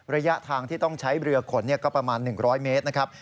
ระยะทางที่ต้องใช้เรือขนก็ประมาณ๑๐๐เมตรนะครับ